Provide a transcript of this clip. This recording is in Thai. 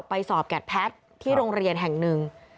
ไปสอบแกดแพทย์ที่โรงเรียนแห่งหนึ่ง